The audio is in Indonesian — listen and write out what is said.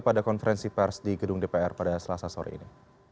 pada konferensi pers di gedung dpr pada selasa sore ini